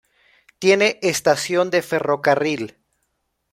Tiene estación de ferrocarril.